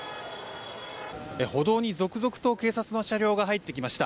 歩道に続々と警察の車両が入ってきました。